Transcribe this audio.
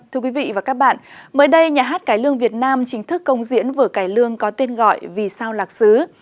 thưa quý vị và các bạn mới đây nhà hát cải lương việt nam chính thức công diễn vở cải lương có tên gọi vì sao lạc xứ